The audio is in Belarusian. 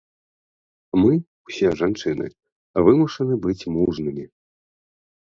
Мы, усе жанчыны, вымушаны быць мужнымі.